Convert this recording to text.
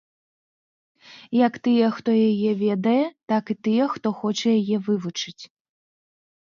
Як тыя, хто яе ведае, так і тыя, хто хоча яе вывучыць.